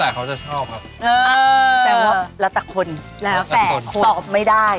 แสดงว่าละแต่คนและแฝ่ตอบไม่ได้